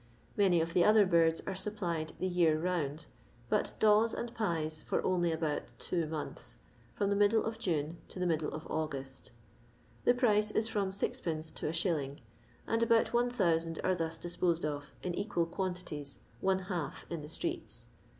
Many of the other birds are supplied the year round, bnt daws and pies for only about two months, from the middle of June to the middle of August The price is from 6d, to li. and about 1000 aie thus disposed of, in equal quantities, one half in the streets.